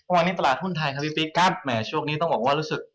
วันนี้ตลาดหุ้นไทยครับพี่ฟิกครับแหมช่วงนี้ต้องบอกว่ารู้สึก